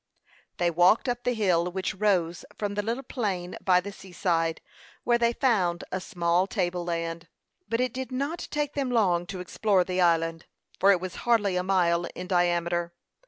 They walked up the hill which rose from the little plain by the sea side, where they found a small table land. But it did not take them long to explore the island, for it was hardly a mile in diameter.